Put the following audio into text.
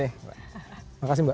terima kasih mbak